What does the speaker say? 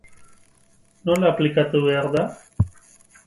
Nola aplikatu behar da?